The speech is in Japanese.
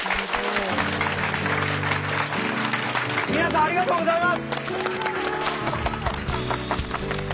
ありがとうございます！